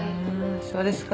そうですか。